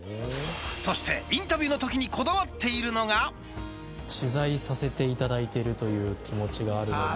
そしてインタビューの時にこだわっているのがという気持ちがあるので。